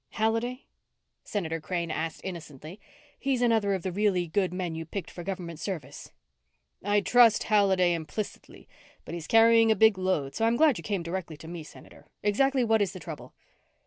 "Halliday?" Senator Crane asked innocently. "He's another of the really good men you picked for government service." "I trust Halliday implicitly, but he's carrying a big load so I'm glad you came directly to me, Senator. Exactly what is the trouble?"